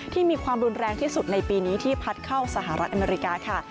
มีความรุนแรงที่สุดในปีนี้ที่พัดเข้าสหรัฐอเมริกาค่ะ